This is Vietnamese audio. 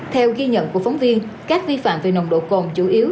theo ghi nhận của phóng viên các vi phạm về nồng độ cồn chủ yếu